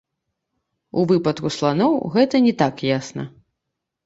У выпадку сланоў гэта не так ясна.